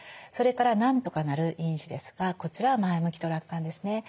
それから「なんとかなる」因子ですがこちらは前向きと楽観ですね。